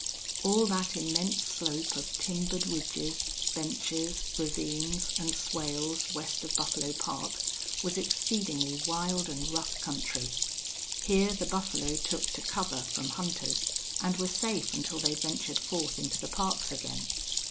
All that immense slope of timbered ridges, benches, ravines, and swales west of Buffalo Park was exceedingly wild and rough country. Here the buffalo took to cover from hunters, and were safe until they ventured forth into the parks again.